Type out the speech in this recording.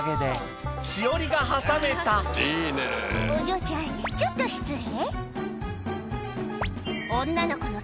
「お嬢ちゃんちょっと失礼」